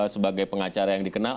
sebagai pengacara yang dikenal